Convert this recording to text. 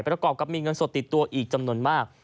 ประกอบกับมีเงินสดติดตัวอีกจำนวนมาก